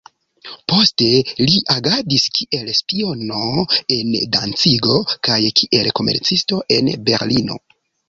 Poste li agadis kiel spiono en Dancigo kaj kiel komercisto en Berlino.